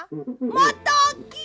もっとおっきい。